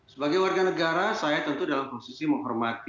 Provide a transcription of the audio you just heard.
sebagai warga negara saya tentu dalam posisi menghormati